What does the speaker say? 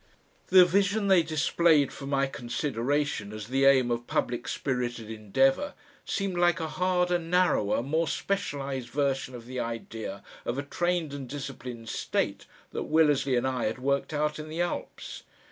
The vision they displayed for my consideration as the aim of public spirited endeavour, seemed like a harder, narrower, more specialised version of the idea of a trained and disciplined state that Willersley and I had worked out in the Alps.